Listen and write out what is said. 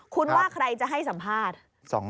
คุณว่าใครจะให้สัมภาษณ์